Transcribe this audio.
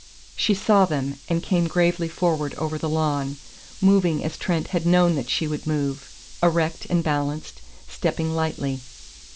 She saw them, and came gravely forward over the lawn, moving as Trent had known that she would move, erect and balanced, stepping lightly.